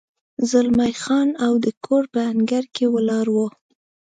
زلمی خان او د کور په انګړ کې ولاړ و.